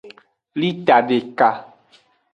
Lita deka.